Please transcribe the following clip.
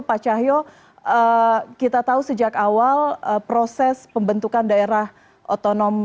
pak cahyo kita tahu sejak awal proses pembentukan daerah otonom